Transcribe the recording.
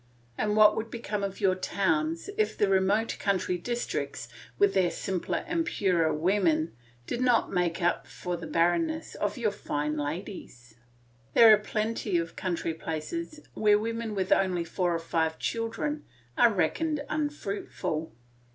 And what would become of your towns if the remote country districts, with their simpler and purer women, did not make up for the barrenness of your fine ladies? There are plenty of country places where women with only four or five children are reckoned unfruitful.